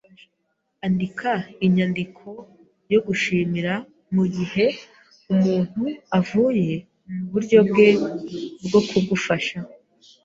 Andika inyandiko yo kugushimira mugihe umuntu avuye muburyo bwe bwo kugufasha.